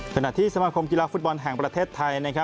ขณะที่สมัครคมกีฬาฟุตบอลแห่งประเทศไทย